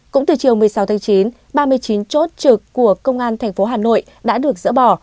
cũng từ chiều một mươi sáu tháng chín ba mươi chín chốt trực của công an thành phố hà nội đã được dỡ bỏ